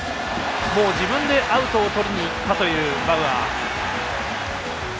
もう自分でアウトをとりに行ったというバウアー。